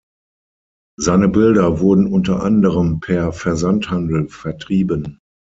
Seine Bilder wurden unter anderem per Versandhandel vertrieben.